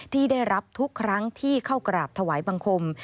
ที่ได้รับทุกครั้งที่เข้ากราบถวายบังคม